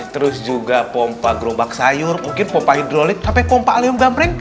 terus juga pompa gerombak sayur mungkin pompa hidrolip sampai pompa alium gamreng